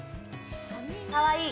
かわいい。